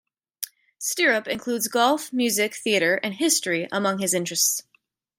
Stirrup includes golf, music, theatre and history among his interests.